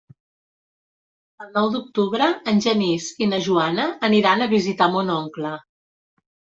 El nou d'octubre en Genís i na Joana aniran a visitar mon oncle.